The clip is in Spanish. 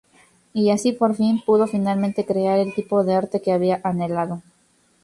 Y así Por fin, pudo finalmente crear el tipo de arte que había anhelado.